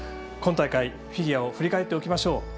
今大会、フィギュアを振り返っておきましょう。